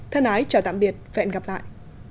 thân ái chào tạm biệt phẹn gặp lại